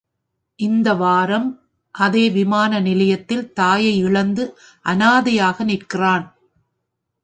இந்த வாரம் அதே விமான நிலையத்தில் தாயை இழந்து அனாதையாக நிற்கிறான்.